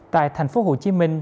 tại thành phố hồ chí minh